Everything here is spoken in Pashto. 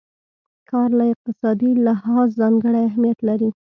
کار له اقتصادي لحاظه ځانګړی اهميت لري.